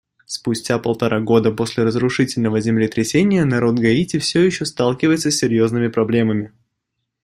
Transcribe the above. Спустя полтора года после разрушительного землетрясения народ Гаити все еще сталкивается с серьезными проблемами.